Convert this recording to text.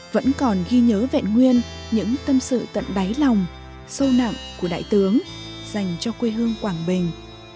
vẫn còn ghi nhớ vẹn nguyên những tâm sự tận đáy lòng sâu nặng của đại tướng dành cho quê hương quảng bình